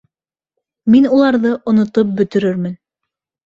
Мин уларҙы онотоп бөтөрөрмөн!